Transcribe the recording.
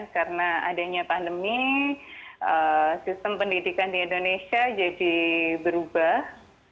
karena adanya pandemi sistem pendidikan di indonesia jadi berubah